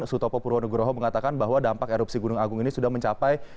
sutopo purwonugroho mengatakan bahwa dampak erupsi gunung agung ini sudah mencapai